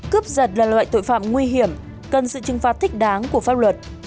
cướp giật là loại tội phạm nguy hiểm cần sự trừng phạt thích đáng của pháp luật